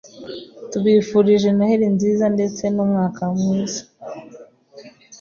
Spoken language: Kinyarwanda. Tubifurije Noheli nziza ndetse n’umwaka mwiza